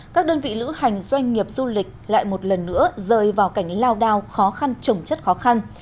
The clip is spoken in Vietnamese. các đơn vị lữ hành doanh nghiệp du lịch lại một lần nữa rơi vào cảnh lao đao khó khăn trồng chất khó khăn